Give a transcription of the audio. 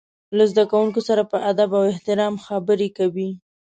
له زده کوونکو سره په ادب او احترام خبرې کوي.